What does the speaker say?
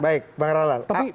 baik pak ralan